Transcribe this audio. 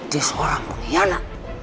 dia seorang iyana